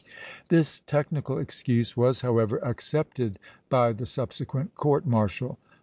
This technical excuse was, however, accepted by the subsequent court martial.